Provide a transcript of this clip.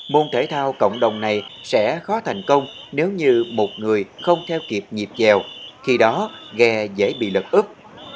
môn thể thao cộng đồng này sẽ khó thành công nếu như một người không theo kịp nhịp dèo khi đó ghe dễ bị lật ứp